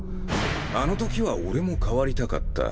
あのときは俺も代わりたかった。